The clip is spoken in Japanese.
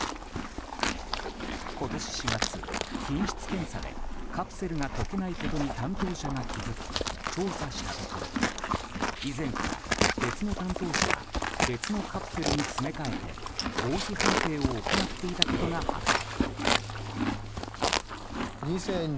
今年４月、品質検査でカプセルが溶けないことに担当者が気付き調査したところ以前から別の担当者が別のカプセルに詰め替えて合否判定を行っていたことが発覚。